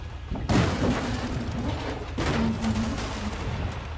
Demini sähäl saklap, mäşäni gysdy.